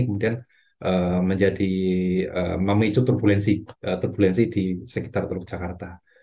kemudian menjadi memicu turbulensi di sekitar teluk jakarta